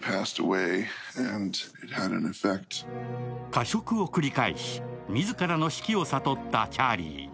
過食を繰り返し、自らの死期を悟ったチャーリー。